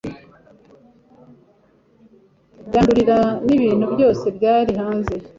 yandurura n'ibintu byose byari hanze